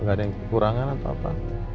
nggak ada yang kekurangan atau apa